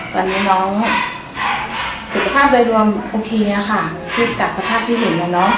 ตอนนี้น้องจุดภาพโดยรวมโอเคค่ะจากสภาพที่เห็นแล้วเนอะ